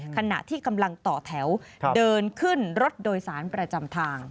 ขณะที่กำลังต่อแถวเดินขึ้นรถโดยสารประจำทาง